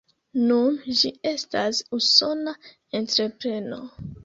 Nun ĝi estas Usona entrepreno.